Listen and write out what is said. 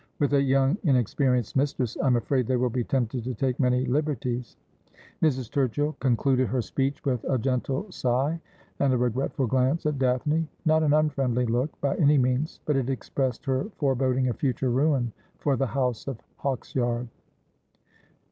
With a young, inex perienced mistress I'm afraid they will be tempted to take many liberties.' Mrs. Turchill concluded her speech with a gentle sigh, and a regretful glance at Daphne — not an unfriendly look, by any means ; but it expressed her foreboding of future ruin for the house of Hawksyard.